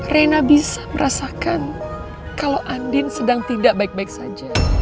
rena bisa merasakan kalau andin sedang tidak baik baik saja